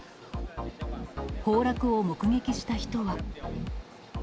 崩落を目撃した人は。